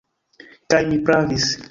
Kaj mi pravis.